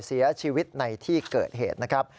เสียชีวิตในที่เกิดเหตุนะครับ